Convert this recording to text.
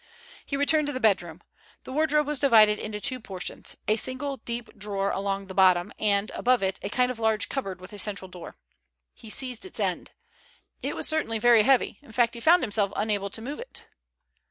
He returned to the bedroom. The wardrobe was divided into two portions, a single deep drawer along the bottom, and above it a kind of large cupboard with a central door. He seized its end. It was certainly very heavy; in fact, he found himself unable to move it.